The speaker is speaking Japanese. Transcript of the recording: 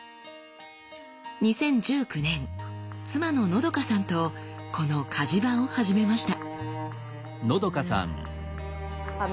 ２０１９年妻ののどかさんとこの鍛冶場を始めました。